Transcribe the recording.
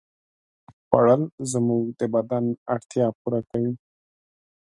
خوړل زموږ د بدن اړتیا پوره کوي